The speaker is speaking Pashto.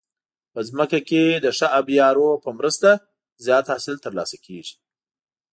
په ځمکه کې د ښه آبيارو په مرسته زیات حاصل ترلاسه کیږي.